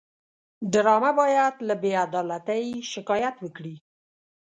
ډرامه باید له بېعدالتۍ شکایت وکړي